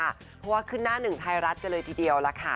เพราะว่าขึ้นหน้าหนึ่งไทยรัฐกันเลยทีเดียวล่ะค่ะ